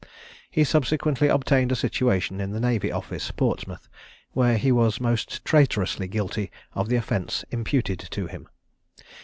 He subsequently obtained a situation in the Navy Office, Portsmouth, where he was most traitorously guilty of the offence imputed to him.